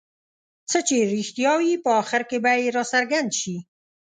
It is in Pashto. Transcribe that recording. څه چې رښتیا وي په اخر کې به یې راڅرګند شي.